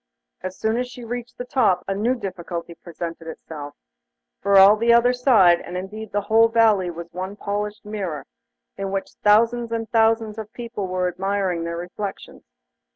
As soon as she reached the top a new difficulty presented itself, for all the other side, and indeed the whole valley, was one polished mirror, in which thousands and thousands of people were admiring their reflections.